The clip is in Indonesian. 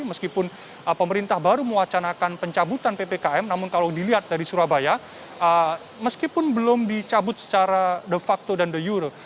meskipun pemerintah baru mewacanakan pencabutan ppkm namun kalau dilihat dari surabaya meskipun belum dicabut secara de facto dan the euro